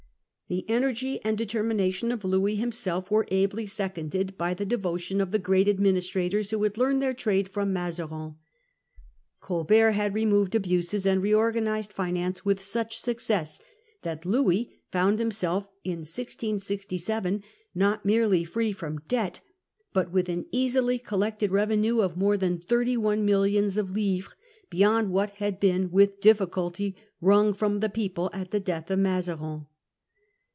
The energy and determination of Louis himself were ably seconded by the devotion of the great administrators who Colbert and had learned their trade from Mazarin. Colbert finance. had rem0 ved abuses and reorganised finance with such success that Louis found himself in 1667 not merely free from debt, but with an easily collected revenue Lionneand of more than thirty one millions of livres the navy. beyond what had been with difficulty wrung from J.he people at the death of Mazarin.